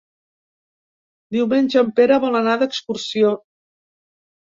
Diumenge en Pere vol anar d'excursió.